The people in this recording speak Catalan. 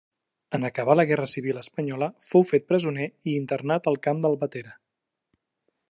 En acabar la guerra civil espanyola fou fet presoner i internat al camp d'Albatera.